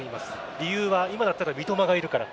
理由は今だったら三笘がいるから。